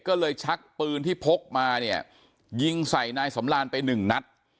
ก็เลยชักปืนที่พกมาเนี่ยยิงใส่นายสำรานไปหนึ่งนัด